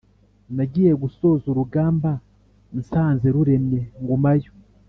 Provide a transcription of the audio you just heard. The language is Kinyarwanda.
Nagiye gusoza urugamba nsanze ruremye ngumayo,